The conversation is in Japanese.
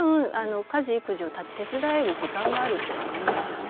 家事育児を手伝える時間もあるということもありますよね。